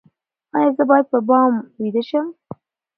ایا زه باید په بام ویده شم؟